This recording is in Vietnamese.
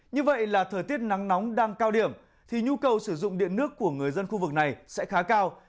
như vậy là thời tiết nắng nóng đang cao điểm thì nhu cầu sử dụng điện nước của người dân khu vực này sẽ khá cao